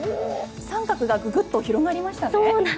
三角がググッと広がりましたね。